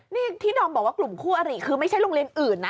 นี่ที่ดอมบอกว่ากลุ่มคู่อริคือไม่ใช่โรงเรียนอื่นนะ